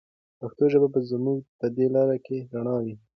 پښتو ژبه به زموږ په دې لاره کې رڼا وي.